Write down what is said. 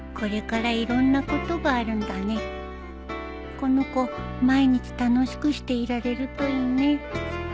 この子毎日楽しくしていられるといいね